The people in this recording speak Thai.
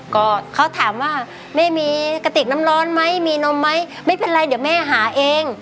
ก็เขาถามว่าแม่มีกระติกน้ำร้อนไหมมีนมไหมไม่เป็นไรเดี๋ยวแม่หาเอง